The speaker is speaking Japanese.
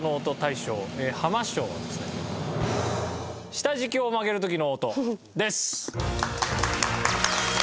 下敷きを曲げる時の音です。